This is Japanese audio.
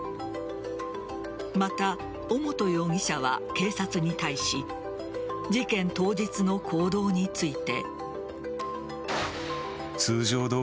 また、尾本容疑者は警察に対し事件当日の行動について。